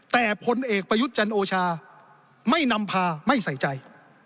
แต่พลเอกประยุทธ์จันโอชาไม่นำพาไม่ใส่ใจ